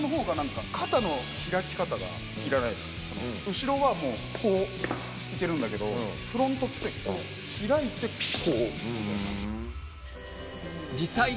後ろはこういけるんだけどフロントって開いてこうみたいな。